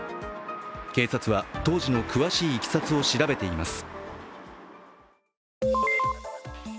警察は当時の詳しいいきさつを調べています。